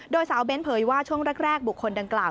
โดยสาวเบ้นเผยว่าช่วงแรกบุคคลดังกล่าว